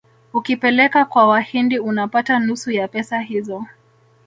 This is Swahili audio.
Ukipeleka kwa wahindi unapata nusu ya pesa hizo